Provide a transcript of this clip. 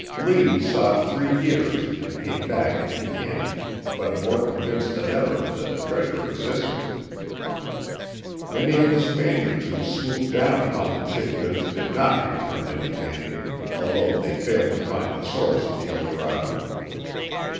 Leigh sought three years and came back empty handed, but more convinced than ever that the treasure existed. Many of the Spaniards who swooped down upon the Chibcas did not return empty handed, although they failed to find the source of the El Dorado.